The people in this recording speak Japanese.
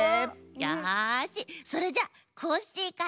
よしそれじゃコッシーから！